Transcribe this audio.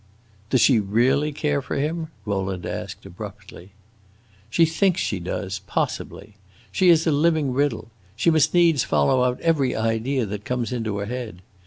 "Does she really care for him?" Rowland asked, abruptly. "She thinks she does, possibly. She is a living riddle. She must needs follow out every idea that comes into her head.